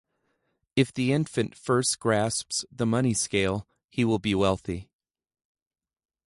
If the infant first grasps the money-scale, he will be wealthy.